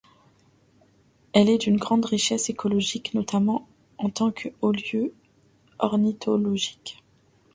Elle est d'une grande richesse écologique notamment en tant que haut lieu ornithologique.